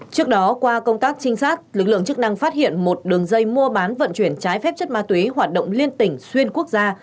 trước đó qua công tác trinh sát lực lượng chức năng phát hiện một đường dây mua bán vận chuyển trái phép chất ma túy hoạt động liên tỉnh xuyên quốc gia